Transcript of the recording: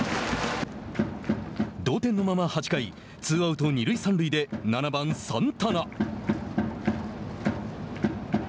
同点のまま８回ツーアウト、二塁三塁で７番サンタナ。